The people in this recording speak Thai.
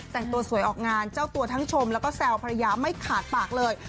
แต่งตัวสวยออกงานเจ้าตัวทั้งชมแล้วก็แซวภรรยาไม่ขาดปากเลย